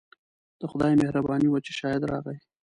د خدای مهرباني وه چې شاهد راغی.